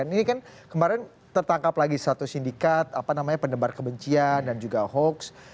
ini kan kemarin tertangkap lagi satu sindikat pendebar kebencian dan juga hoax